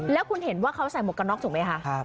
แล้วคุณเห็นว่าเขาใส่หมวกกันน็อกถูกไหมคะ